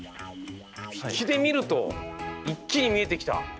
引きで見ると一気に見えてきた。